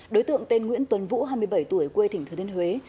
đối tượng tên nguyễn tuấn vũ hai mươi bảy tuổi quê thỉnh thừa thiên huế